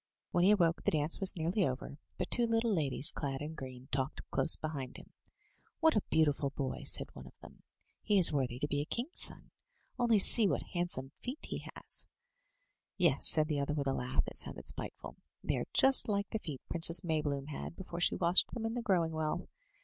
When he awoke the dance was nearly over, but two little ladies clad in green talked close beside him. *'What a beautiful boy!'' said one of them. "He is worthy to be a king's son. Only see what handsome feet he has!" Yes," said the other, with a laugh that sounded spiteful; "they are just like the feet Princess Maybloom had before she washed them in the Growing Well.